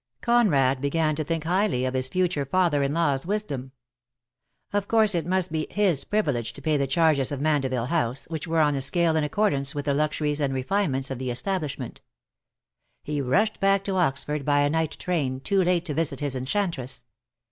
Conrad began to think highly of his future father in law's wisdom. Of course it must be his privilege to pay the charges of Mandeville House, which were on a scale in accordance DEAD LOVE HAS CHAINS. 79 with the luxuries and refinements of the establish ment. He rushed back to Oxford by a night train, too late to visit his enchantress.